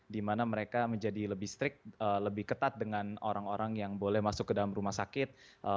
di mana mereka menjadi lebih strict lebih ketat dengan orang orang yang boleh masuk ke dalam rumah sakit